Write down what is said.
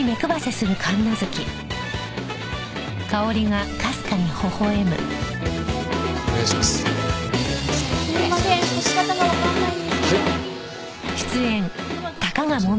すいません！